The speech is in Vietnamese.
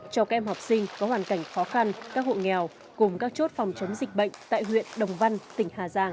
cho các em học sinh có hoàn cảnh khó khăn các hộ nghèo cùng các chốt phòng chống dịch bệnh tại huyện đồng văn tỉnh hà giang